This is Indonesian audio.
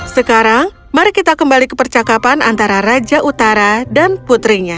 sekarang mari kita kembali ke percakapan antara raja utara dan putrinya